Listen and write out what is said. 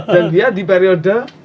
dan dia di periode